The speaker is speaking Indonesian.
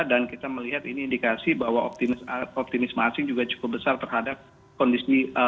dan kita melihat ini indikasi bahwa optimisme asing juga cukup besar terhadap kondisi